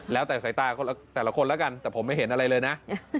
แล้วแต่สายตาแต่ละคนแล้วกันแต่ผมไม่เห็นอะไรเลยนะ